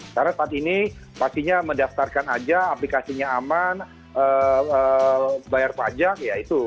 karena saat ini pastinya mendaftarkan saja aplikasinya aman bayar pajak ya itu